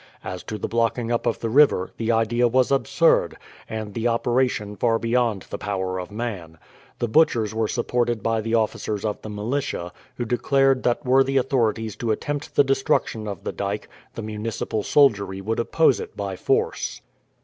As to the blocking up of the river, the idea was absurd, and the operation far beyond the power of man. The butchers were supported by the officers of the militia, who declared that were the authorities to attempt the destruction of the dyke the municipal soldiery would oppose it by force.